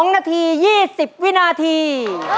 ๒นาที๒๐วินาที